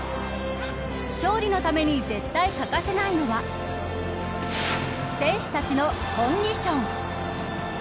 勝利のために絶対欠かせないのは選手たちのコンディション。